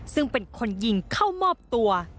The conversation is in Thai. ซึ่งเป็นคนยิงเข้ามอบตัว